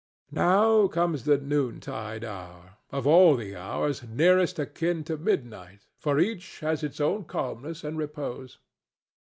Now comes the noontide hour—of all the hours, nearest akin to midnight, for each has its own calmness and repose.